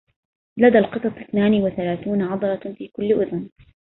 لدى القطط اثنان وثلاثون عضلة في كل أذن.